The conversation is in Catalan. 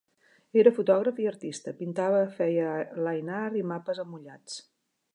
Era fotògraf i artista, pintava, feia "line art" i mapes emmotllats.